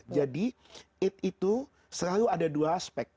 jadi itu selalu ada dua aspek